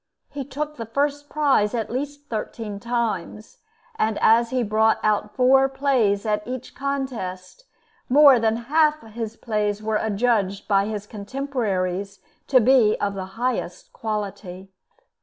He took the first prize at least thirteen times; and as he brought out four plays at each contest, more than half his plays were adjudged by his contemporaries to be of the highest quality.